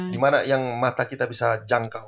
dimana yang mata kita bisa jangkau